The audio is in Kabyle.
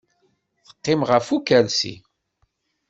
Teqqim ɣef ukersi.